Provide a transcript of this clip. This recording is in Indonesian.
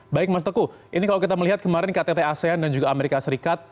baik mas teguh ini kalau kita melihat kemarin ktt asean dan juga amerika serikat